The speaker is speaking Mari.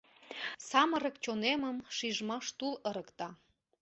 Самырык чонемым шижмаш тул ырыкта.